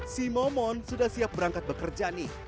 si momon sudah siap berangkat bekerja nih